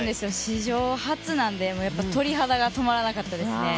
史上初なんでやっぱり、鳥肌が止まらなかったですね。